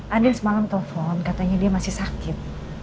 andin semangat menelepon katanya dia masih sakit